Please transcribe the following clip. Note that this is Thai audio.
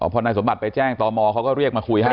พอนายสมบัติไปแจ้งตมเขาก็เรียกมาคุยให้